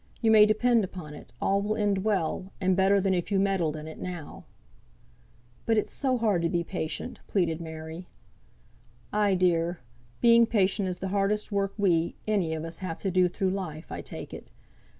You may depend upon it, all will end well, and better than if you meddled in it now." "But it's so hard to be patient," pleaded Mary. "Ay, dear; being patient is the hardest work we, any on us, have to do through life, I take it.